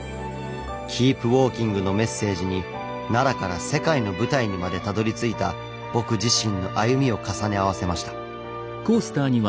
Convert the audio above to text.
「キープウォーキング」のメッセージに奈良から世界の舞台にまでたどりついた僕自身の歩みを重ね合わせました。